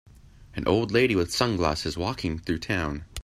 An old lady with sunglasses walking through town.